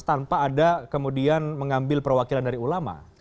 tanpa ada kemudian mengambil perwakilan dari ulama